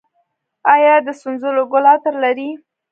آیا د سنځلو ګل عطر لري؟